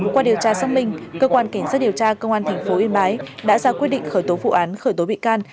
qua điều tra xác minh cơ quan cảnh sát điều tra công an tp yên bái đã ra quyết định khởi tố vụ án khởi tố bị can